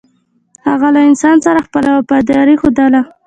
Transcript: هغه له انسان سره خپله وفاداري ښودله.